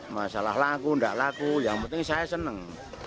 masalah laku nggak laku yang penting saya seneng